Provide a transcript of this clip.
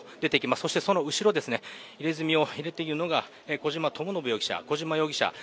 そしてその後ろ、入れ墨を入れているのが小島智信容疑者。